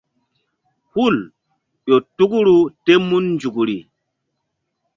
Hul ƴo tukru tem mun nzukri.